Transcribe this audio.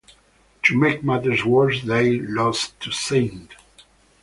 To make matters worse they lost to St.